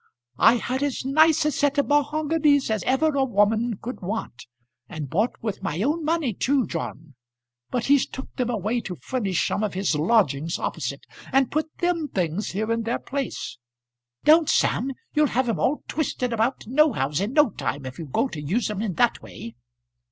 "I had as nice a set of mahoganys as ever a woman could want, and bought with my own money too, John; but he's took them away to furnish some of his lodgings opposite, and put them things here in their place. Don't, Sam; you'll have 'em all twisted about nohows in no time if you go to use 'em in that way."